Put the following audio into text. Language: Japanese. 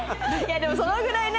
でもそのぐらいね